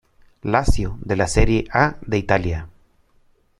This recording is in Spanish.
Lazio de la Serie A de Italia.